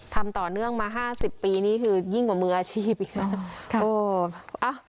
ทำต่อเนื่องมาห้าสิบปีนี้คือยิ่งกว่ามืออาชีพอีกครับครับโอ้